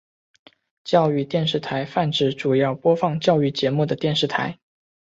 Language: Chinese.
教育电视台泛指主要播放教育节目的电视台。